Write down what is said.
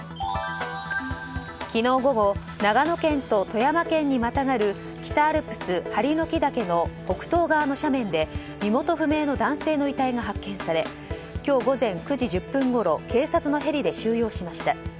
昨日午後長野県と富山県にまたがる北アルプス針ノ木岳の北東側の斜面で身元不明の男性の遺体が発見され今日午前９時１０分ごろ警察のヘリで収容しました。